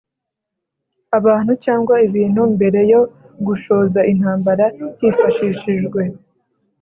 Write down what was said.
abantu cyangwa ibintu mbere yo gushoza urugamba Hifashishijwe